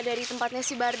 dari tempatnya si barat